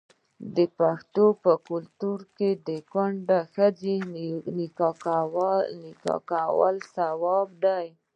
د پښتنو په کلتور کې د کونډې نکاح کول ثواب دی.